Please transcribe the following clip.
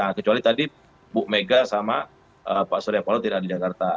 nah kecuali tadi bu mega sama pak suryapalo tidak ada di jakarta